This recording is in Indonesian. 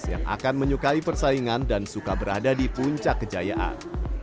yang akan menyukai persaingan dan suka berada di puncak kejayaan